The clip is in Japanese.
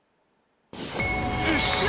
よし！